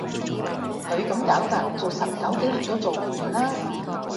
佢咁攪法，做十九幾年都做唔完啦